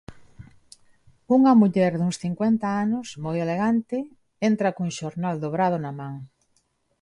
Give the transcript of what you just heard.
Unha muller duns cincuenta anos, moi elegante, entra cun xornal dobrado na man.